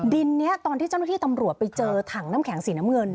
ดินนี้ตอนที่เจ้าหน้าที่ตำรวจไปเจอถังน้ำแข็งสีน้ำเงิน